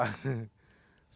man apa nih perlu dana berapa